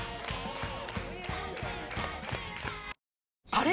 あれ？